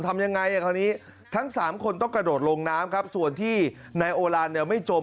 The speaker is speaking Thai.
ทำยังไงคราวนี้ทั้งสามคนต้องกระโดดลงน้ำครับส่วนที่นายโอลานเนี่ยไม่จม